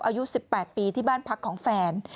อายุ๑๘ปีที่บ้านพักของแฟน